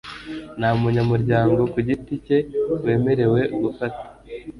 nta munyamuryango ku giti cye wemerewe gufata